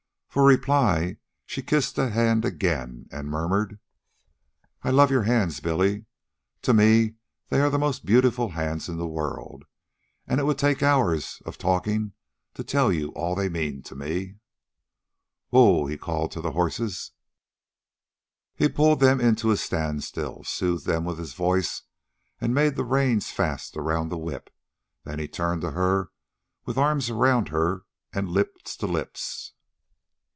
For reply, she kissed the hand again and murmured: "I love your hands, Billy. To me they are the most beautiful hands in the world, and it would take hours of talking to tell you all they mean to me." "Whoa!" he called to the horses. He pulled them in to a standstill, soothed them with his voice, and made the reins fast around the whip. Then he turned to her with arms around her and lips to lips.